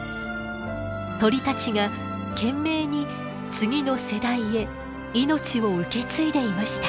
鳥たちが懸命に次の世代へ命を受け継いでいました。